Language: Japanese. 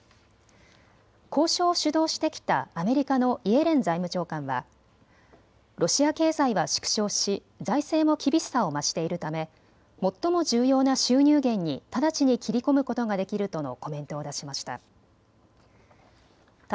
交渉を主導してきたアメリカのイエレン財務長官はロシア経済は縮小し財政も厳しさを増しているため最も重要な収入源に直ちに切り込むことができるとのコメントを出しました。